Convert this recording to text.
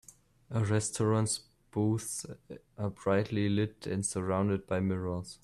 A restaurant 's booths a brightly lit and surrounded by mirrors.